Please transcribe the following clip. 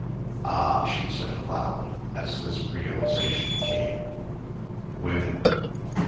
"Ah!" she said aloud, as this realisation came, "Women."